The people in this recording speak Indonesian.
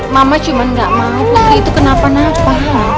mama cuma nggak mau itu kenapa napa